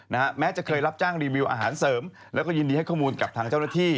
แม้จะเคยรับจ้างรีวิวอาหารเสริมแล้วก็ยินดีให้ข้อมูลกับทางเจ้าหน้าที่